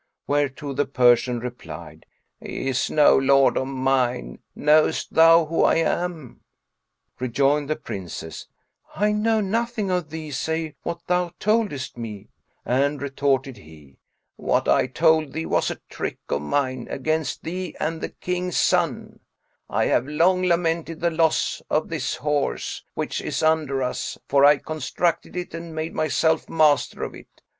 Whereto the Persian replied, "He is no lord of mine: knowest thou who I am?" Rejoined the Princess, "I know nothing of thee save what thou toldest me;" and retorted he, "What I told thee was a trick of mine against thee and the King's son: I have long lamented the loss of this horse which is under us; for I constructed it and made myself master of it.